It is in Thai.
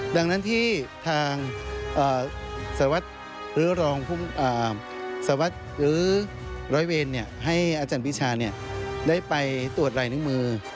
ดังนั้นที่ทางสวัสดิ์หรือรองสวัสดิ์หรือร้อยเวรให้อาจารย์พิชาได้ไปตรวจลายนิ้วมือ